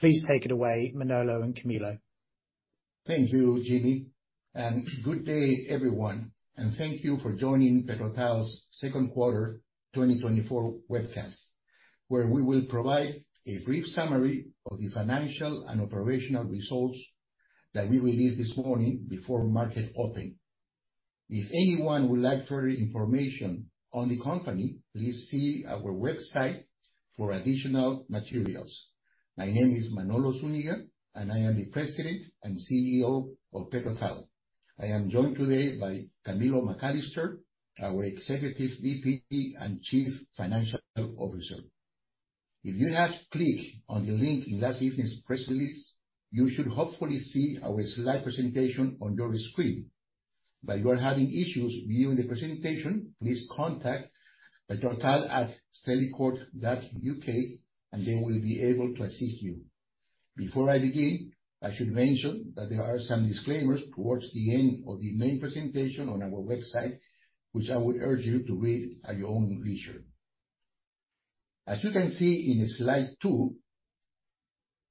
Thank you, Jimmy. Good day, everyone. Thank you for joining PetroTal's Second Quarter 2024 Webcast, where we will provide a brief summary of the financial and operational results that we released this morning before market open. If anyone would like further information on the company, please see our website for additional materials. My name is Manolo Zúñiga, and I am the President and CEO of PetroTal. I am joined today by Camilo McAllister, our Executive VP and Chief Financial Officer. If you have clicked on the link in last evening's press release, you should hopefully see our slide presentation on your screen. If you are having issues viewing the presentation, please contact petrotal@celicourt.uk, and they will be able to assist you. Before I begin, I should mention that there are some disclaimers towards the end of the main presentation on our website, which I would urge you to read at your own leisure. As you can see in slide two,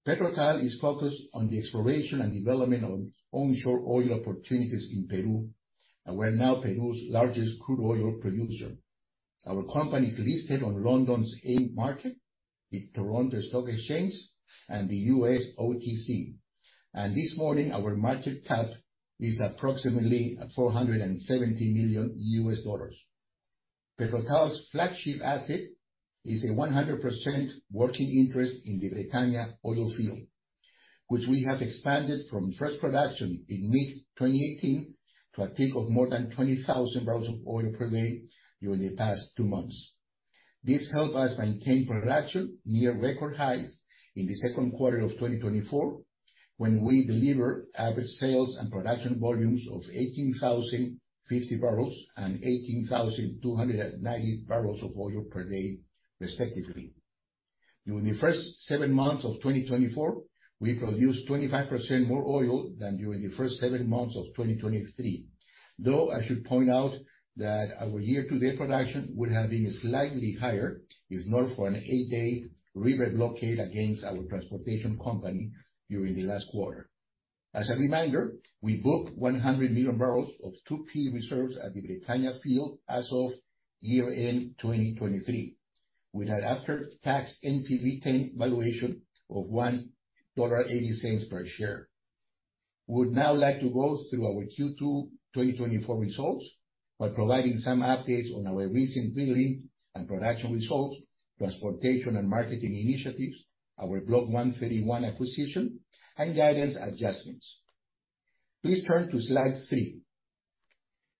PetroTal is focused on the exploration and development of onshore oil opportunities in Peru, and we're now Peru's largest crude oil producer. Our company is listed on London's AIM Market, the Toronto Stock Exchange, and the U.S. OTC. This morning, our market cap is approximately $470 million. PetroTal's flagship asset is a 100% working interest in the Bretaña oil field, which we have expanded from first production in mid 2018 to a peak of more than 20,000 bbl/d during the past two-months. This helped us maintain production near record highs in the second quarter of 2024, when we delivered average sales and production volumes of 18,050 bbl/d and 18,290 bbl/d, respectively. During the first seven-months of 2024, we produced 25% more oil than during the first seven-months of 2023. Though, I should point out that our year-to-date production would have been slightly higher if not for an eight-day river blockade against our transportation company during the last quarter. As a reminder, we booked 100 MMbbl of 2P reserves at the Bretaña field as of year-end 2023, with an after-tax NPV 10 valuation of $1.80 per share. We would now like to go through our Q2 2024 results by providing some updates on our recent drilling and production results, transportation and marketing initiatives, our Block 131 acquisition, and guidance adjustments. Please turn to slide three,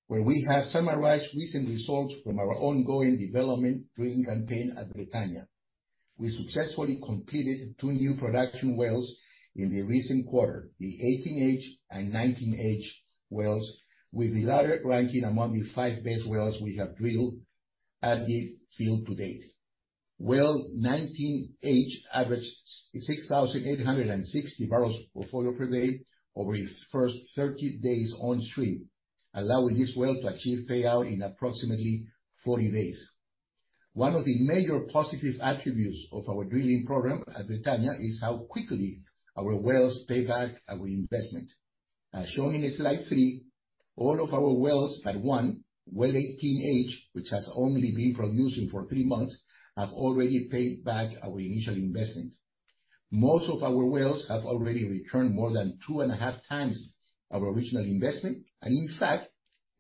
where we have summarized recent results from our ongoing development drilling campaign at Bretaña. We successfully completed two new production wells in the recent quarter, the 18H and 19H wells, with the latter ranking among the five best wells we have drilled at the field to date. Well 19H averaged 6,860 bbl/d over its first 30-days on stream, allowing this well to achieve payout in approximately 40-days. One of the major positive attributes of our drilling program at Bretaña is how quickly our wells pay back our investment. As shown in slide three, all of our wells, but one, well 18H, which has only been producing for three-months, have already paid back our initial investment. Most of our wells have already returned more than two and a half times our original investment. In fact,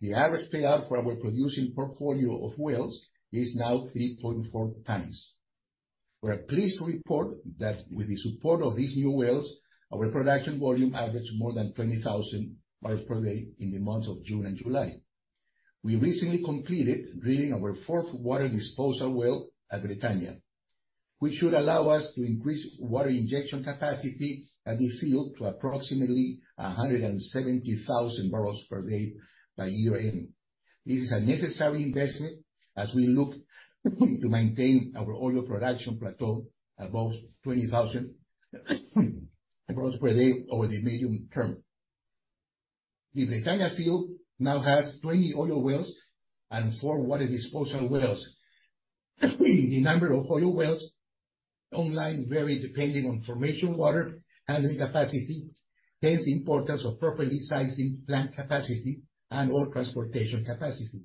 the average payout for our producing portfolio of wells is now 3.4x. We're pleased to report that with the support of these new wells, our production volume averaged more than 20,000 bbl/d in the months of June and July. We recently completed drilling our fourth water disposal well at Bretaña, which should allow us to increase water injection capacity at the field to approximately 170,000 bbl/d by year-end. This is a necessary investment as we look to maintain our oil production plateau above 20,000 bbl/d over the medium term. The Bretaña field now has 20 oil wells and four water disposal wells. The number of oil wells online vary depending on formation water, handling capacity, hence the importance of properly sizing plant capacity and oil transportation capacity.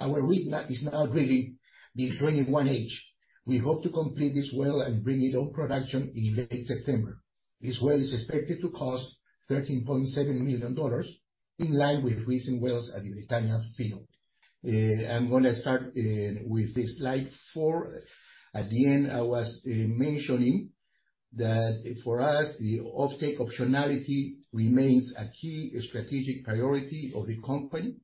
Our rig is now drilling the 21H. We hope to complete this well and bring it on production in late September. This well is expected to cost $13.7 million, in line with recent wells at the Bretaña field. I'm gonna start with the slide four. At the end, I was mentioning that for us, the offtake optionality remains a key strategic priority of the company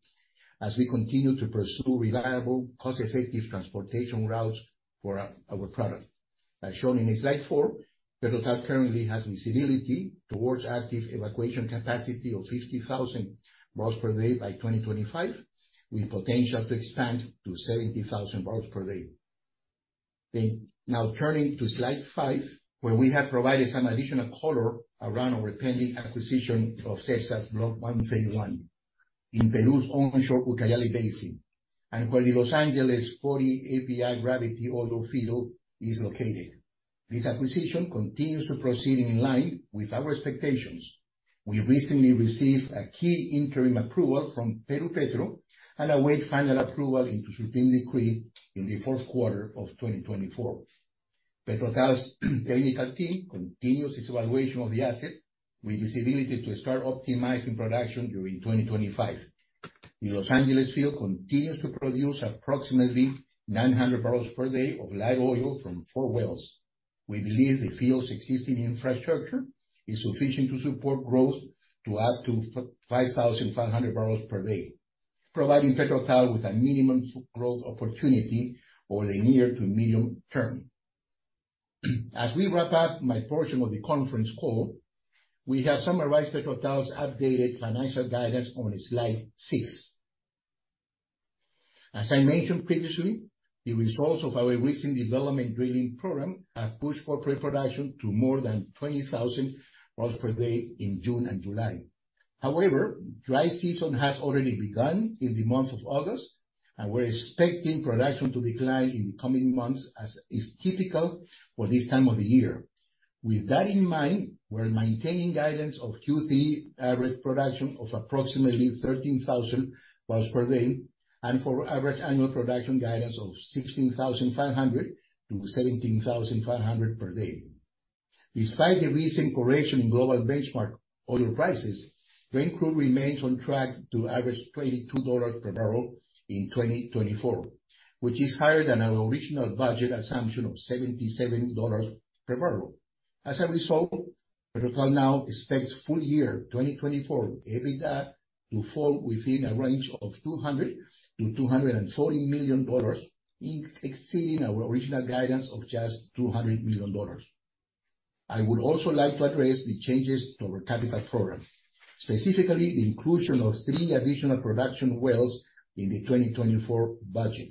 as we continue to pursue reliable, cost-effective transportation routes for our product. As shown in slide four, PetroTal currently has visibility towards active evacuation capacity of 50,000 bbl/d by 2025, with potential to expand to 70,000 bbl/d. Now turning to slide five, where we have provided some additional color around our pending acquisition of CEPSA's Block 131 in Peru's onshore Ucayali Basin, and where the Los Angeles 40 API gravity oil field is located. This acquisition continues to proceed in line with our expectations. We recently received a key interim approval from Perupetro, and await final approval into supreme decree in the fourth quarter of 2024. PetroTal's technical team continues its evaluation of the asset with visibility to start optimizing production during 2025. The Los Angeles field continues to produce approximately 900 bbl/d of light oil from four wells. We believe the field's existing infrastructure is sufficient to support growth to up to 5,500 bbl/d, providing PetroTal with a minimum growth opportunity over the near to medium term. As we wrap up my portion of the conference call, we have summarized PetroTal's updated financial guidance on slide six. As I mentioned previously, the results of our recent development drilling program have pushed Bretaña production to more than 20,000 bbl/d in June and July. However, dry season has already begun in the month of August, and we're expecting production to decline in the coming months, as is typical for this time of the year. With that in mind, we're maintaining guidance of Q3 average production of approximately 13,000 bbl/d, and for average annual production guidance of 16,500 bbl/d-17,500 bbl/d. Despite the recent correction in global benchmark oil prices, Brent crude remains on track to average $22/bbl in 2024, which is lower than our original budget assumption of $77/bbl. As a result, PetroTal now expects full-year 2024 EBITDA to fall within a range of $200 million-$240 million, exceeding our original guidance of just $200 million. I would also like to address the changes to our capital program, specifically the inclusion of three additional production wells in the 2024 budget.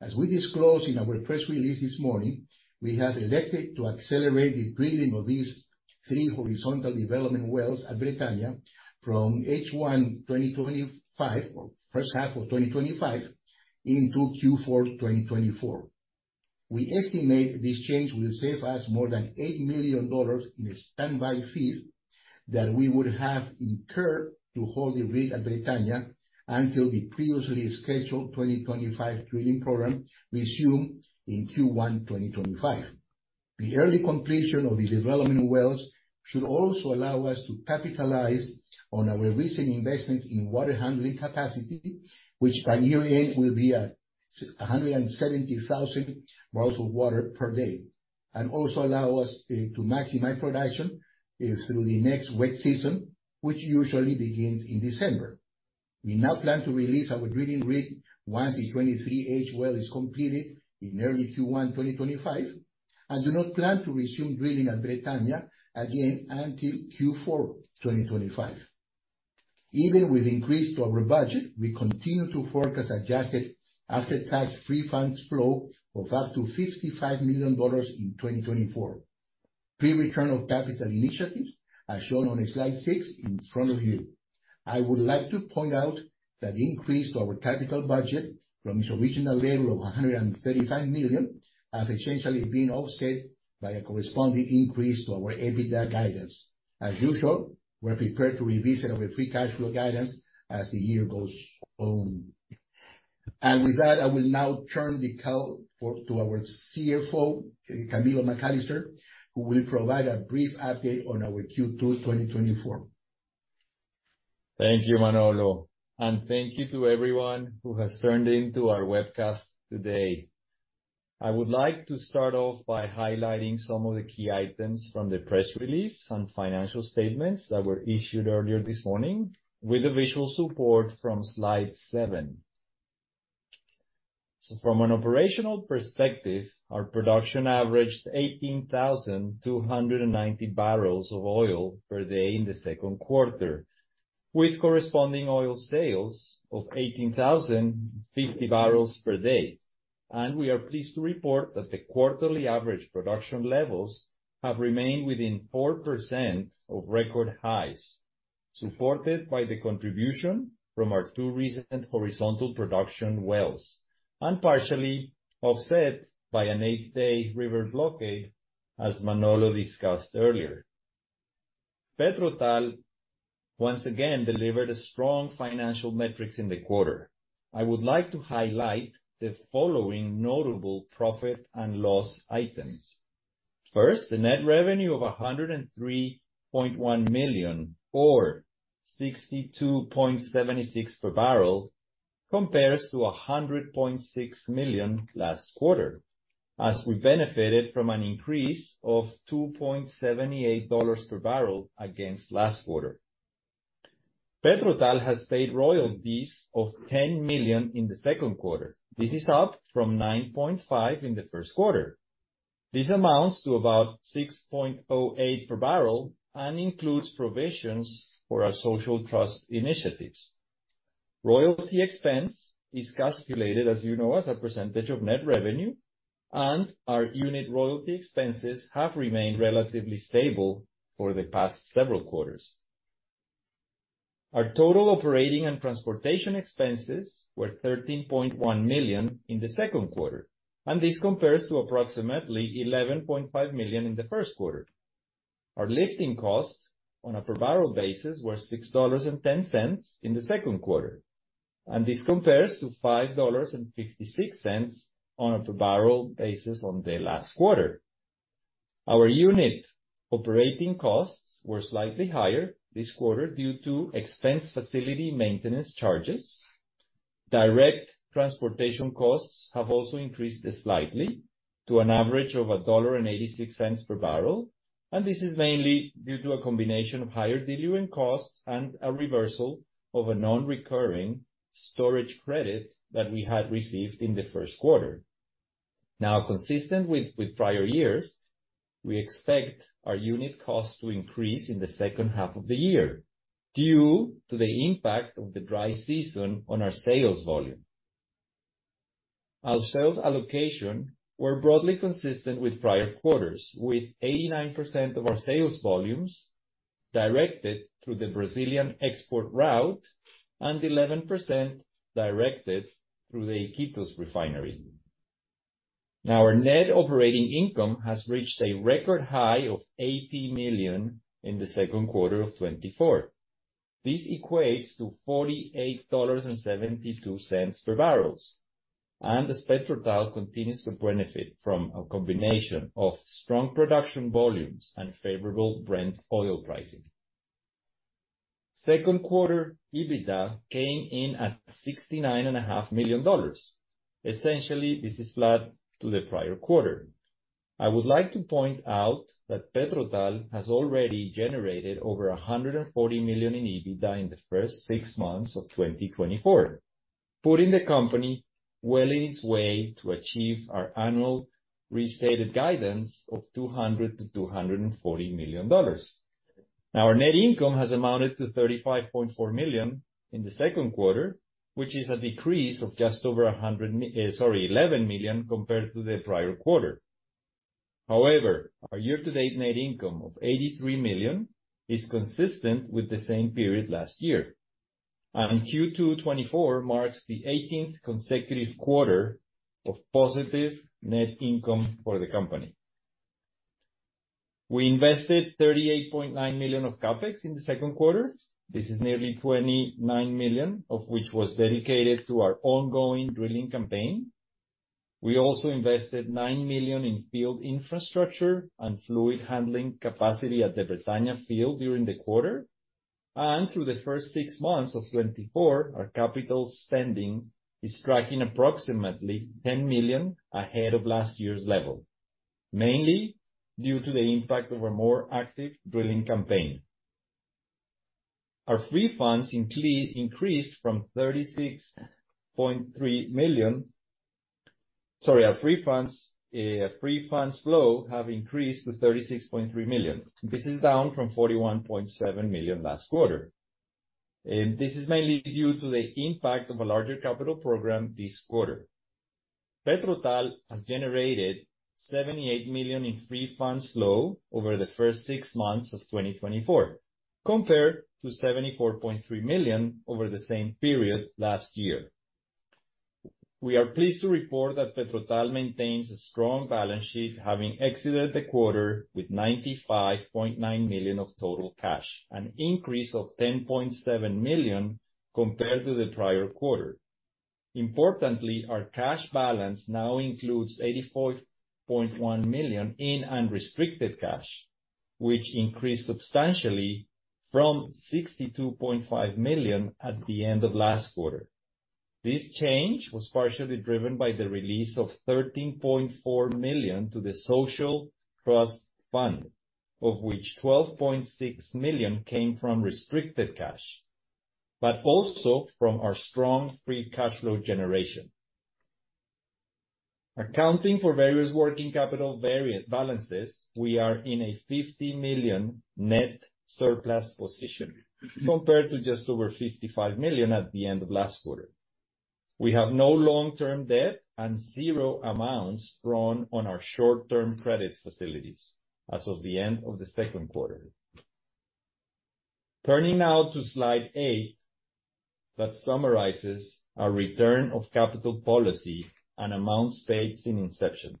As we disclosed in our press release this morning, we have elected to accelerate the drilling of these three horizontal development wells at Bretaña from H1 2025, or first half of 2025, into 2Q 2024. We estimate this change will save us more than $8 million in standby fees that we would have incurred to hold the rig at Bretaña until the previously scheduled 2025 drilling program resumed in Q1 2025. The early completion of the development wells should also allow us to capitalize on our recent investments in water handling capacity, which by year-end will be at 170,000 bwpd, and also allow us to maximize production through the next wet season, which usually begins in December. We now plan to release our drilling rig once the 23H well is completed in early Q1 2025, and do not plan to resume drilling at Bretaña again until Q4 2025. Even with increases to our budget, we continue to forecast adjusted after-tax free funds flow of up to $55 million in 2024. Pre-return of capital initiatives are shown on slide six in front of you. I would like to point out that increase to our capital budget from its original level of $135 million has essentially been offset by a corresponding increase to our EBITDA guidance. As usual, we're prepared to revisit our free cash flow guidance as the year goes on. With that, I will now turn the call to our CFO, Camilo McAllister, who will provide a brief update on our Q2 2024. Thank you, Manolo, and thank you to everyone who has tuned in to our webcast today. I would like to start off by highlighting some of the key items from the press release and financial statements that were issued earlier this morning with the visual support from slide seven. From an operational perspective, our production averaged 18,290 bopd in the second quarter, with corresponding oil sales of 18,050 bbl/d. We are pleased to report that the quarterly average production levels have remained within 4% of record highs, supported by the contribution from our two recent horizontal production wells, and partially offset by an eight-day river blockade, as Manolo discussed earlier. PetroTal, once again, delivered strong financial metrics in the quarter. I would like to highlight the following notable profit and loss items. First, the net revenue of $103.1 million, or $62.76/bbl, compares to $100.6 million last quarter, as we benefited from an increase of $2.78/bbl against last quarter. PetroTal has paid royalties of $10 million in the second quarter. This is up from $9.5 million in the first quarter. This amounts to about $6.08/bbl and includes provisions for our social trust initiatives. Royalty expense is calculated, as you know, as a percentage of net revenue, and our unit royalty expenses have remained relatively stable for the past several quarters. Our total operating and transportation expenses were $13.1 million in the second quarter, and this compares to approximately $11.5 million in the first quarter. Our lifting costs on a were $6.10/bbl in the second quarter, and this compares to $5.56/bbl basis on the last quarter. Our unit operating costs were slightly higher this quarter due to expense facility maintenance charges. Direct transportation costs have also increased slightly to an average of $1.86/bbl, and this is mainly due to a combination of higher diluent costs and a reversal of a non-recurring storage credit that we had received in the first quarter. Now, consistent with prior years, we expect our unit costs to increase in the second half of the year due to the impact of the dry season on our sales volume. Our sales allocation were broadly consistent with prior quarters, with 89% of our sales volumes directed through the Brazilian export route and 11% directed through the Iquitos refinery. Now, our net operating income has reached a record high of $80 million in the second quarter of 2024. This equates to $48.72/bbl. As PetroTal continues to benefit from a combination of strong production volumes and favorable Brent oil pricing, second quarter EBITDA came in at $69.5 million. Essentially, this is flat to the prior quarter. I would like to point out that PetroTal has already generated over $140 million in EBITDA in the first six-months of 2024, putting the company well on its way to achieve our annual restated guidance of $200 million-$240 million. Our net income has amounted to $35.4 million in the second quarter, which is a decrease of just over $11 million compared to the prior quarter. However, our year-to-date net income of $83 million is consistent with the same period last year. Q2 2024 marks the 18th consecutive quarter of positive net income for the company. We invested $38.9 million of CapEx in the second quarter. This is nearly $29 million, of which was dedicated to our ongoing drilling campaign. We also invested $9 million in field infrastructure and fluid handling capacity at the Bretaña field during the quarter. Through the first six-months of 2024, our capital spending is tracking approximately $10 million ahead of last year's level, mainly due to the impact of a more active drilling campaign. Our free funds flow have increased to $36.3 million. This is down from $41.7 million last quarter. This is mainly due to the impact of a larger capital program this quarter. PetroTal has generated $78 million in free funds flow over the first six-months of 2024, compared to $74.3 million over the same period last year. We are pleased to report that PetroTal maintains a strong balance sheet, having exited the quarter with $95.9 million of total cash, an increase of $10.7 million compared to the prior quarter. Importantly, our cash balance now includes $84.1 million in unrestricted cash, which increased substantially from $62.5 million at the end of last quarter. This change was partially driven by the release of $13.4 million to the social trust fund, of which $12.6 million came from restricted cash, but also from our strong free cash flow generation. Accounting for various working capital balances, we are in a $50 million net surplus position compared to just over $55 million at the end of last quarter. We have no long-term debt and zero amounts drawn on our short-term credit facilities as of the end of the second quarter. Turning now to slide eight, that summarizes our Return of Capital Policy and amounts paid since inception.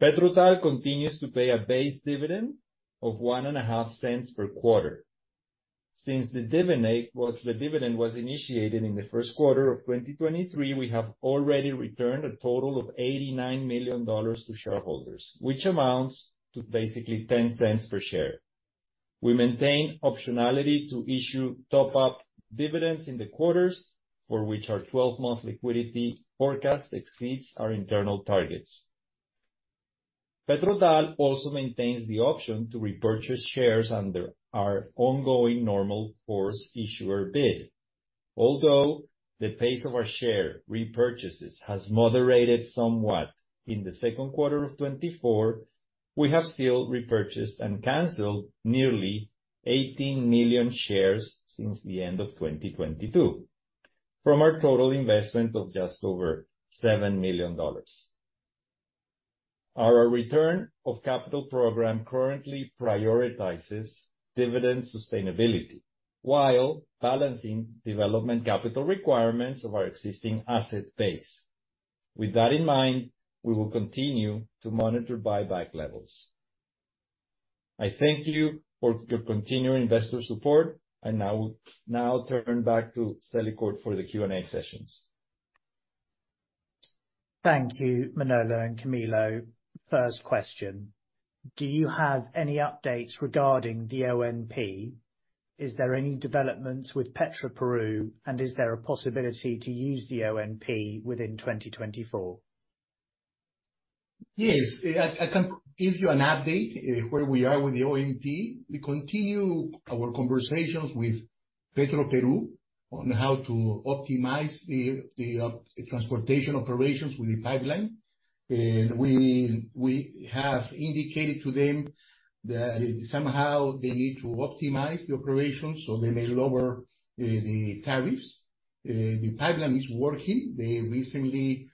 PetroTal continues to pay a base dividend of $1.5 per quarter. Since the dividend was initiated in the first quarter of 2023, we have already returned a total of $89 million to shareholders, which amounts to basically $0.10 per share. We maintain optionality to issue top-up dividends in the quarters for which our 12-month liquidity forecast exceeds our internal targets. PetroTal also maintains the option to repurchase shares under our ongoing Normal Course Issuer Bid. Although the pace of our share repurchases has moderated somewhat in the second quarter of 2024, we have still repurchased and canceled nearly 18 million shares since the end of 2022, from our total investment of just over $7 million. Our return of capital program currently prioritizes dividend sustainability while balancing development capital requirements of our existing asset base. With that in mind, we will continue to monitor buyback levels. I thank you for your continued investor support, and I will now turn back to Celicourt for the Q&A sessions. Thank you, Manolo and Camilo. First question, do you have any updates regarding the ONP? Is there any developments with Petroperu, and is there a possibility to use the ONP within 2024? Yes. I can give you an update where we are with the ONP. We continue our conversations with Petroperu on how to optimize the transportation operations with the pipeline. We have indicated to them that somehow they need to optimize the operations so they may lower the tariffs. The pipeline is working. They recently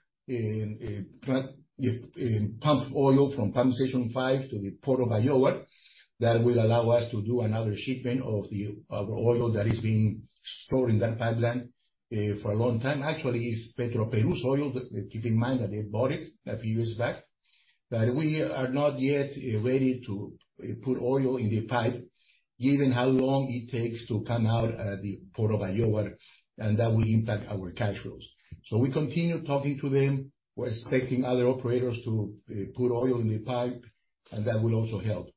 pumped oil from pumping station five to the Puerto Bayóvar. That will allow us to do another shipment of our oil that is being stored in that pipeline for a long time. Actually, it's Petroperu's oil, but keep in mind that they bought it a few years back. We are not yet ready to put oil in the pipe, given how long it takes to come out at the Puerto Bayóvar, and that will impact our cash flows. We continue talking to them. We're expecting other operators to put oil in the pipe, and that will also help.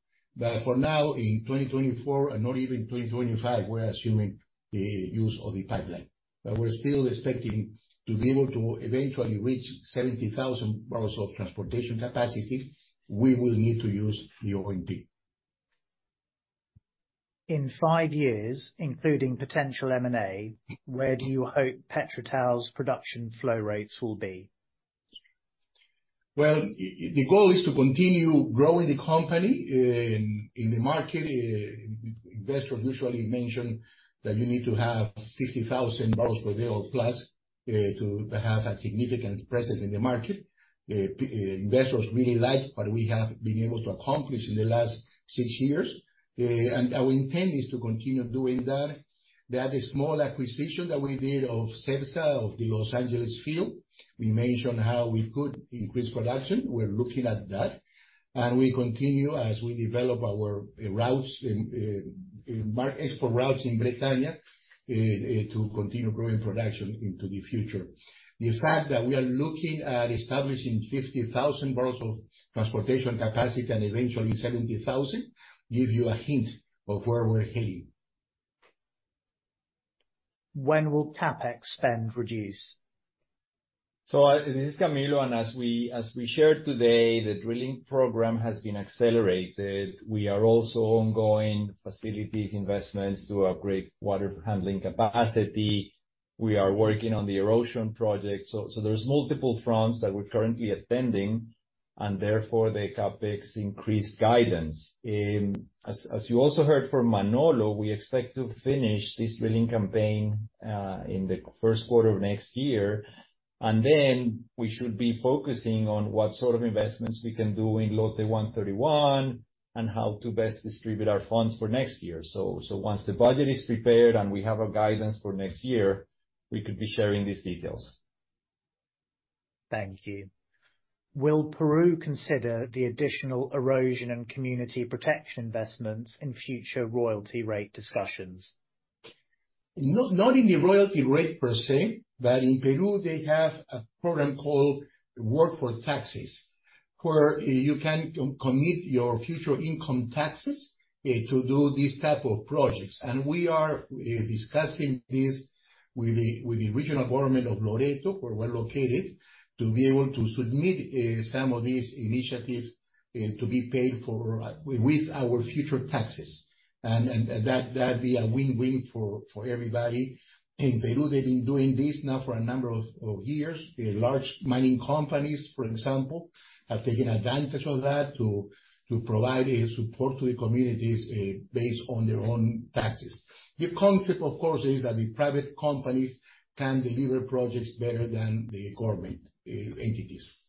For now, in 2024 and not even 2025, we're assuming the use of the pipeline. We're still expecting to be able to eventually reach 70,000 barrels of transportation capacity. We will need to use the ONP. In five-years, including potential M&A, where do you hope PetroTal's production flow rates will be? Well, the goal is to continue growing the company in the market. Investors usually mention that you need to have 60,000 bbl/d or plus to have a significant presence in the market. Investors really like what we have been able to accomplish in the last six-years, and our intent is to continue doing that. That small acquisition that we did of CEPSA, of the Los Angeles field, we mentioned how we could increase production. We're looking at that, and we continue as we develop our export routes in Bretaña to continue growing production into the future. The fact that we are looking at establishing 50,000 barrels of transportation capacity and eventually 70,000 give you a hint of where we're heading. When will CapEx spend reduce? This is Camilo, and as we shared today, the drilling program has been accelerated. We are also ongoing facilities investments to upgrade water handling capacity. We are working on the erosion project. There's multiple fronts that we're currently attending, and therefore, the CapEx increased guidance. As you also heard from Manolo, we expect to finish this drilling campaign in the first quarter of next year, and then we should be focusing on what sort of investments we can do in Lote 131 and how to best distribute our funds for next year. Once the budget is prepared and we have a guidance for next year, we could be sharing these details. Thank you. Will Peru consider the additional erosion and community protection investments in future royalty rate discussions? Not in the royalty rate per se, but in Peru, they have a program called Works for Taxes, where you can commit your future income taxes to do these type of projects. We are discussing this with the regional government of Loreto, where we're located, to be able to submit some of these initiatives to be paid for with our future taxes. That'd be a win-win for everybody. In Peru, they've been doing this now for a number of years. The large mining companies, for example, have taken advantage of that to provide support to the communities based on their own taxes. The concept, of course, is that the private companies can deliver projects better than the government entities.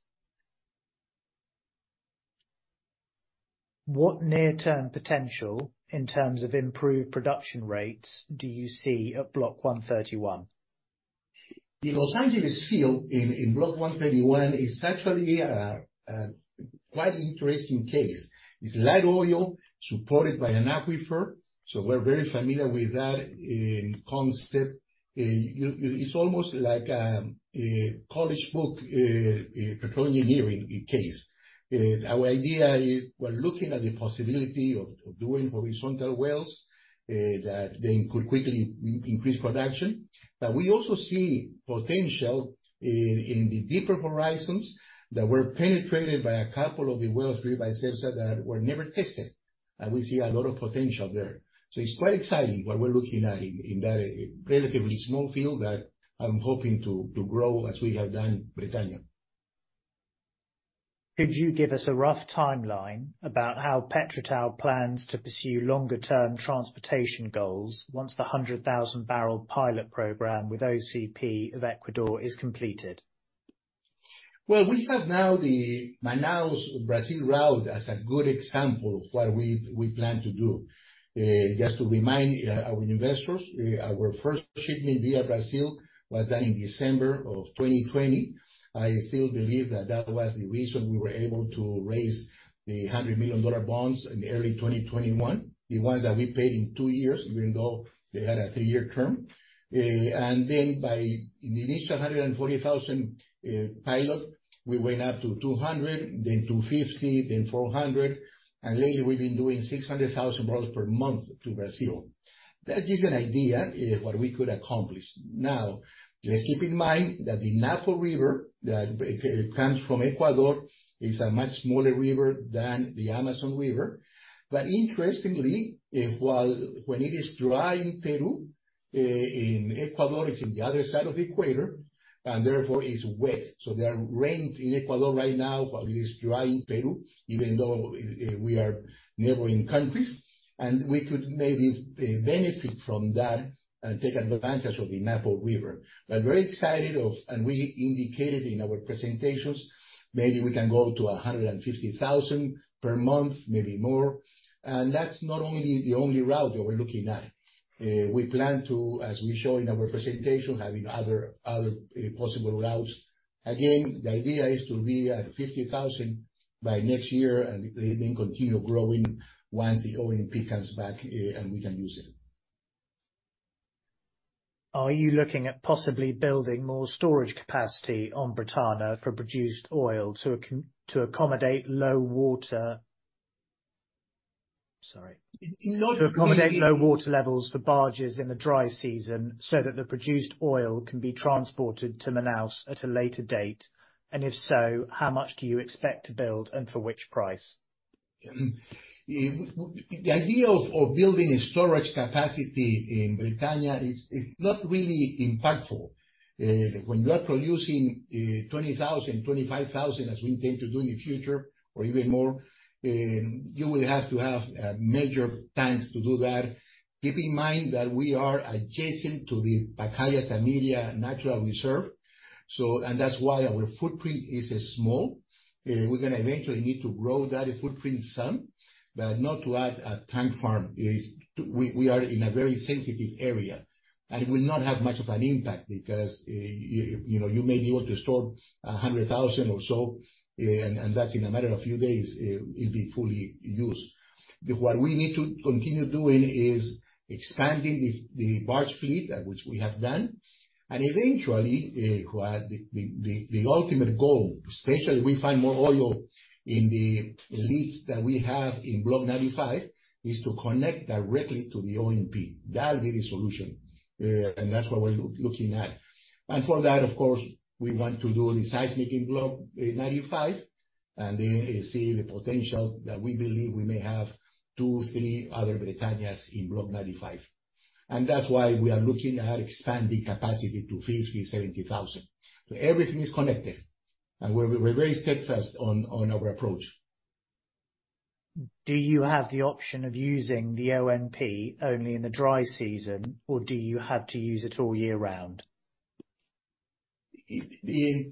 What near-term potential in terms of improved production rates do you see at Block 131? The Los Angeles field in Block 131 is actually a quite interesting case. It's light oil supported by an aquifer, so we're very familiar with that concept. It's almost like a college book petroleum engineering case. Our idea is we're looking at the possibility of doing horizontal wells that they could quickly increase production. We also see potential in the deeper horizons that were penetrated by a couple of the wells drilled by CEPSA that were never tested. We see a lot of potential there. It's quite exciting what we're looking at in that relatively small field that I'm hoping to grow as we have done Bretaña. Could you give us a rough timeline about how PetroTal plans to pursue longer-term transportation goals once the 100,000-barrel pilot program with OCP of Ecuador is completed? Well, we have now the Manaus, Brazil route as a good example of what we plan to do. Just to remind our investors, our first shipment via Brazil was done in December of 2020. I still believe that that was the reason we were able to raise the $100 million bonds in early 2021, the ones that we paid in two-years, even though they had a three-year term. In the initial 140,000 pilot, we went up to 200, then 250, then 400, and lately we've been doing 600,000 Mbbl/m to Brazil. That gives you an idea what we could accomplish. Now, let's keep in mind that the Napo River, that it comes from Ecuador, is a much smaller river than the Amazon River. Interestingly, while when it is dry in Peru, in Ecuador, it's in the other side of the equator, and therefore is wet. There are rains in Ecuador right now while it is dry in Peru, even though we are neighboring countries. We could maybe benefit from that and take advantage of the Napo River. We are very excited of, and we indicated in our presentations, maybe we can go to 150,000 per month, maybe more. That's not only the only route that we're looking at. We plan to, as we show in our presentation, having other possible routes. Again, the idea is to be at 50,000 by next year and then continue growing once the ONP comes back, and we can use it. Are you looking at possibly building more storage capacity on Bretaña for produced oil to accommodate low water? Not really. To accommodate low water levels for barges in the dry season so that the produced oil can be transported to Manaus at a later date? If so, how much do you expect to build and for which price? The idea of building a storage capacity in Bretaña is not really impactful. When you are producing 20,000, 25,000, as we intend to do in the future, or even more, you will have to have major tanks to do that. Keep in mind that we are adjacent to the Pacaya Samiria Natural Reserve, and that's why our footprint is small. We're gonna eventually need to grow that footprint some, but not to add a tank farm. We are in a very sensitive area, and it will not have much of an impact because you may be able to store 100,000 or so, and that's in a matter of few days, it'll be fully used. What we need to continue doing is expanding the barge fleet, which we have done. Eventually, the ultimate goal, especially if we find more oil in the leads that we have in Block 95, is to connect directly to the ONP. That will be the solution, and that's what we're looking at. For that, of course, we want to do the seismic in Block 95, and then see the potential that we believe we may have two, three other Bretañas in Block 95. That's why we are looking at expanding capacity to 50,000-70,000. Everything is connected. We're very steadfast on our approach. Do you have the option of using the ONP only in the dry season, or do you have to use it all year round? Maybe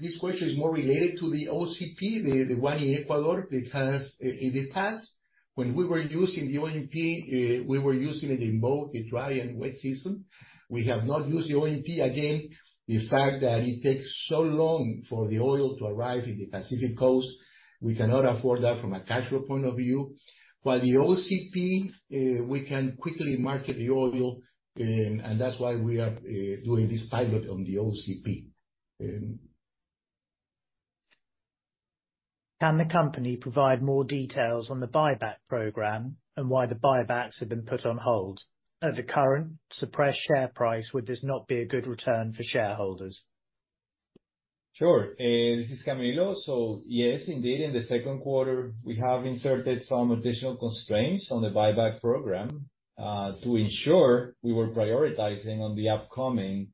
this question is more related to the OCP, the one in Ecuador, because in the past, when we were using the ONP, we were using it in both the dry and wet season. We have not used the ONP again. The fact that it takes so long for the oil to arrive in the Pacific coast, we cannot afford that from a cash flow point of view. While the OCP, we can quickly market the oil, and that's why we are doing this pilot on the OCP. Can the company provide more details on the buyback program and why the buybacks have been put on hold? At the current suppressed share price, would this not be a good return for shareholders? Sure. This is Camilo. Yes, indeed, in the second quarter, we have inserted some additional constraints on the buyback program to ensure we were prioritizing on the upcoming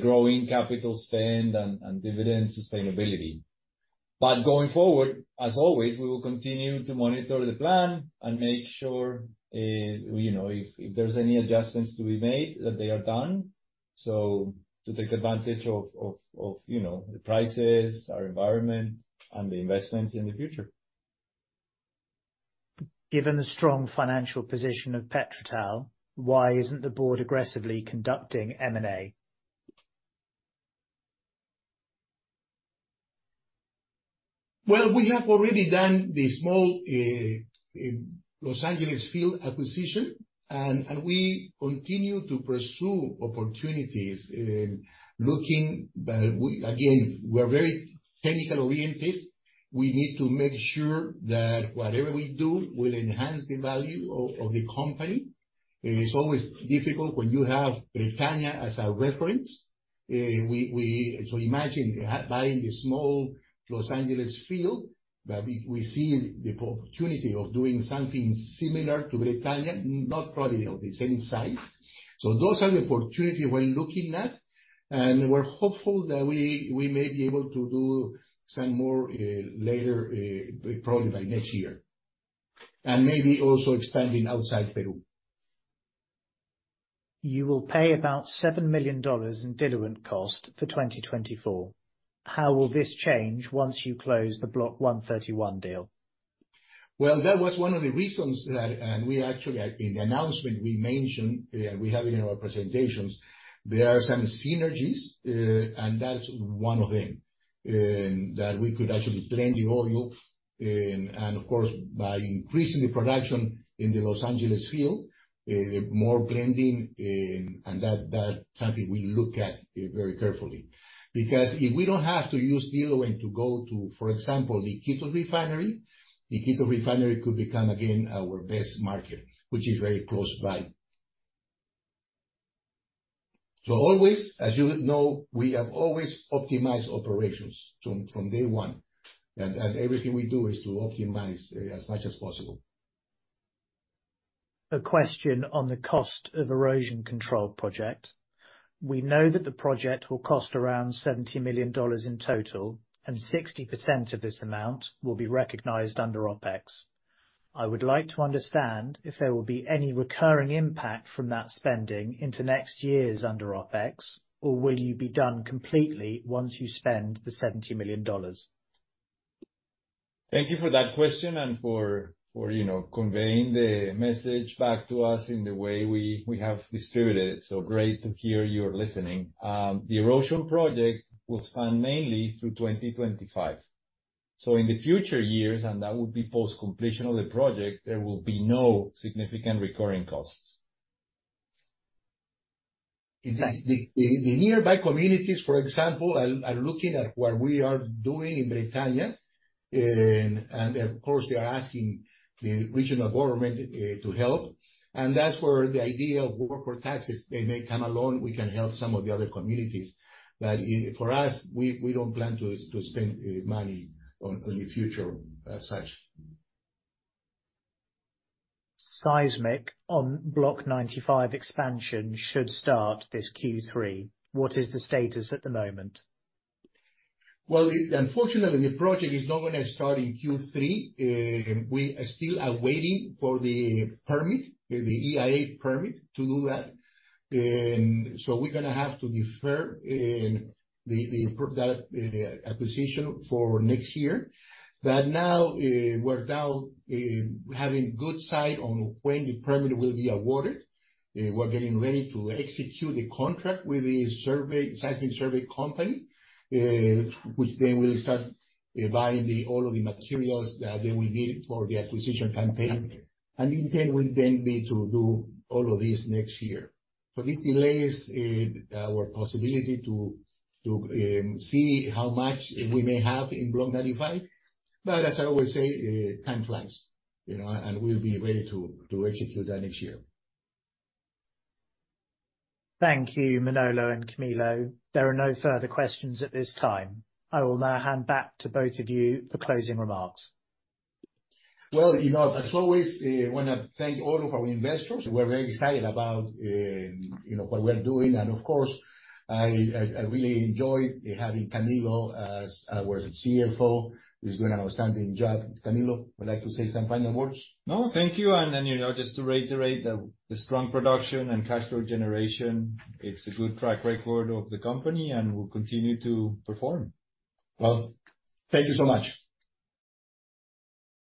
growing capital spend and dividend sustainability. Going forward, as always, we will continue to monitor the plan and make sure, if there's any adjustments to be made, that they are done to take advantage of the prices, our environment, and the investments in the future. Given the strong financial position of PetroTal, why isn't the board aggressively conducting M&A? Well, we have already done the small Los Angeles field acquisition. We continue to pursue opportunities in looking. Again, we're very technical oriented. It's always difficult when you have Bretaña as a reference. Imagine buying the small Los Angeles field. We see the opportunity of doing something similar to Bretaña, not probably of the same size. Those are the opportunities we're looking at. We're hopeful that we may be able to do some more later, probably by next year, maybe also expanding outside Peru. You will pay about $7 million in diluent cost for 2024. How will this change once you close the Block 131 deal? Well, that was one of the reasons that we actually, in the announcement, we mentioned, we have it in our presentations, there are some synergies, and that's one of them, that we could actually blend the oil. Of course, by increasing the production in the Los Angeles field, more blending, and that's something we look at very carefully. Because if we don't have to use diluent to go to, for example, the Iquitos refinery, the Iquitos refinery could become again our best market, which is very close by. Always, as you know, we have always optimized operations from day one, and everything we do is to optimize as much as possible. A question on the cost of erosion control project. We know that the project will cost around $70 million in total, and 60% of this amount will be recognized under OpEx. I would like to understand if there will be any recurring impact from that spending into next year's under OpEx, or will you be done completely once you spend the $70 million? Thank you for that question and for conveying the message back to us in the way we have distributed it. Great to hear you're listening. The erosion project will span mainly through 2025. In the future years, and that would be post-completion of the project, there will be no significant recurring costs. The nearby communities, for example, are looking at what we are doing in Bretaña. Of course, they are asking the regional government to help. That's where the idea of corporate taxes, they may come along. We can help some of the other communities. For us, we don't plan to spend money on the future as such. Seismic on Block 95 expansion should start this Q3. What is the status at the moment? Well, unfortunately, the project is not going to start in Q3. We still are waiting for the permit, the EIA permit to do that. We're going to have to defer the acquisition for next year. Now, we're now having good sight on when the permit will be awarded. We're getting ready to execute a contract with a seismic survey company, which then will start buying all of the materials that we need for the acquisition campaign. In turn, we then need to do all of this next year. This delays our possibility to see how much we may have in Block 95. As I always say, time flies, and we'll be ready to execute that next year. Thank you, Manolo and Camilo. There are no further questions at this time. I will now hand back to both of you for closing remarks. Well, as always, I want to thank all of our investors. We're very excited about what we're doing. Of course, I really enjoy having Camilo as our CFO. He's doing an outstanding job. Camilo, would like to say some final words? No, thank you. Just to reiterate the strong production and cash flow generation, it's a good track record of the company and will continue to perform. Well, thank you so much.